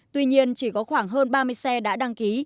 tuy nhiên chỉ có khoảng hơn ba mươi xe đã đăng ký